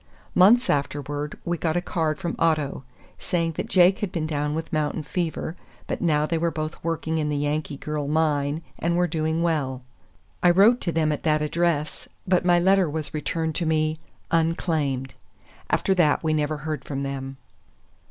Months afterward we got a card from Otto, saying that Jake had been down with mountain fever, but now they were both working in the Yankee Girl mine, and were doing well. I wrote to them at that address, but my letter was returned to me, "unclaimed." After that we never heard from them.